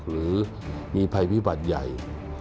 หรือมีภัยพิบัติใหญ่